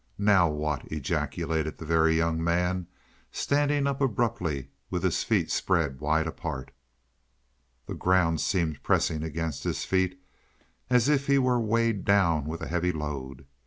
"Now what?" ejaculated the Very Young Man, standing up abruptly, with his feet spread wide apart. The ground seemed pressing against his feet as if he were weighted down with a heavy load.